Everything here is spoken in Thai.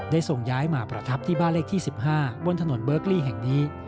ส่งย้ายมาประทับที่บ้านเลขที่๑๕บนถนนเบอร์กลี่แห่งนี้